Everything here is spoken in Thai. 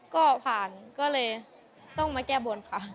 ก็ผ่านก็เลยต้องมาแก้บนค่ะ